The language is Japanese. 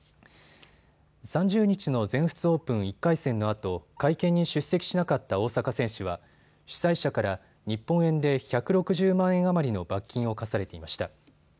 ３０日の全仏オープン１回戦のあと会見に出席しなかった大坂選手は主催者から日本円で１６０万円余りの罰金を科されていました。